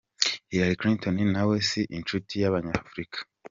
Hillary Clinton na we si inshuti y’Abanyafurika.